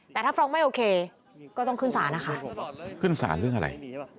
แต่ถ้าฟ้องไม่โอเคก็ต้องขึ้นศาลนะคะขึ้นศาลเรื่องอะไร